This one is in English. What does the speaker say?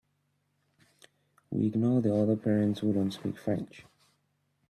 We ignore the other parents who don’t speak French.